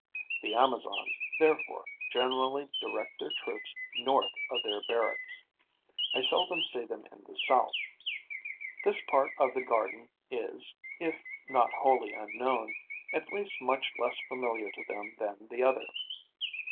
The Amazons, therefore, generally direct their troops north of their barracks; I seldom see them in the south. This part of the garden is, if not wholly unknown, at least much less familiar to them than the other.